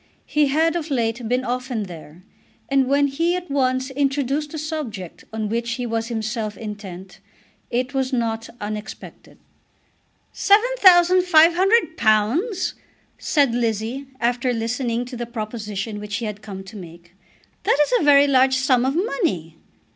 He had of late been often there, and when he at once introduced the subject on which he was himself intent it was not unexpected. "Seven thousand five hundred pounds!" said Lizzie, after listening to the proposition which he had come to make. "That is a very large sum of money!"